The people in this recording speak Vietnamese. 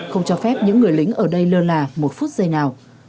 không cho phép những người lính ở đây lơ là một phút giây nào